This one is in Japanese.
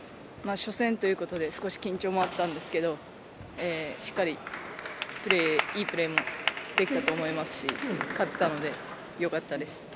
初戦ということで少し緊張もあったんですがしっかりいいプレーもできたと思いますし勝てたのでよかったです。